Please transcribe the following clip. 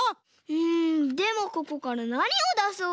うんでもここからなにをだそう？